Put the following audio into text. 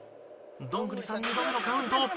どんぐりさん２度目のカウント。